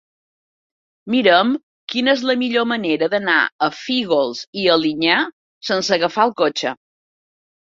Mira'm quina és la millor manera d'anar a Fígols i Alinyà sense agafar el cotxe.